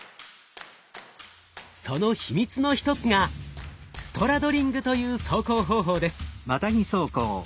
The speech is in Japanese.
その秘密の一つがストラドリングという走行方法です。